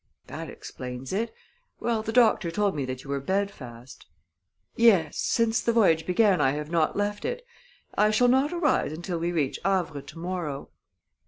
"That explains it. Well, the doctor told me that you were bed fast." "Yes since the voyage began I have not left it. I shall not arise until we reach Havre to morrow."